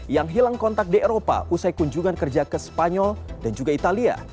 yang hilang kontak di eropa usai kunjungan kerja ke spanyol dan juga italia